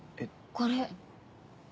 これ。